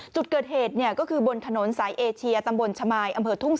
จุดเกิดเหตุเนี่ยก็คือบนถนนสายเอเชียตำบลชมายอำเภอทุ่ง